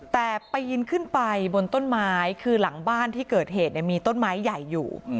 แต่ปีนขึ้นไปบนต้นไม้คือหลังบ้านที่เกิดเหตุมีต้นไม้ใหญ่อยู่